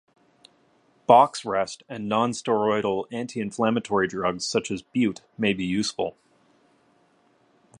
Box rest and Non-steroidal anti-inflammatory drugs such as bute may be useful.